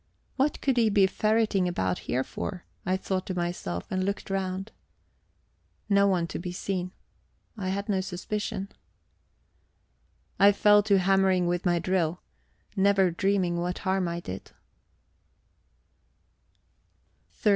What could he be ferreting about here for? I thought to myself, and looked round. No one to be seen I had no suspicion. And I fell to hammering with my drill, never dreaming what harm I did.